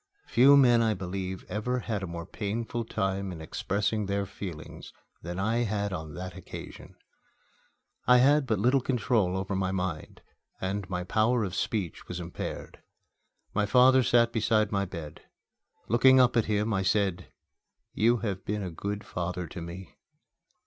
Few men, I believe, ever had a more painful time in expressing their feelings than I had on that occasion. I had but little control over my mind, and my power of speech was impaired. My father sat beside my bed. Looking up at him, I said, "You have been a good father to me."